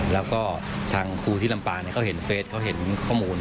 แล้วก็ทางครูที่ลำปางเขาเห็นเฟสเขาเห็นข้อมูล